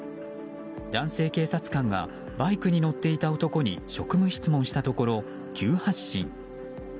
男性警察官がバイクに乗っていた男に職務質問したところ、急発進。